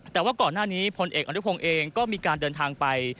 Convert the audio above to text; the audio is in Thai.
แต่ว่าก่อนหน้านี้พลเอกอนุพงศ์เองก็มีการเดินทางไป